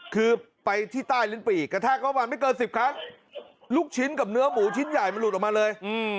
คือไปที่ใต้ลิ้นปีกกระแทกเข้าวันไม่เกิน๑๐ครั้งลูกชิ้นกับเนื้อหมูชิ้นใหญ่มันหลุดออกมาเลย